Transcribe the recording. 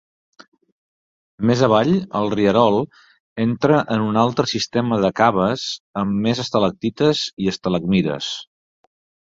Més avall, el rierol entra en un altre sistema de caves amb més estalactites i estalagmites.